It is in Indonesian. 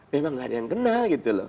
memang nggak ada yang kena gitu loh